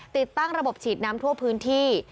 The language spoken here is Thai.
ติดตั้งระบบฉีดน้ำทั่วพื้นที่